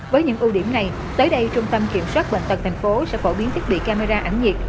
với những ưu điểm này tới đây trung tâm kiểm soát bệnh tật tp sẽ phổ biến thiết bị camera ảnh nhiệt